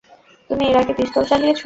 তুমি এর আগে পিস্তল চালিয়েছো?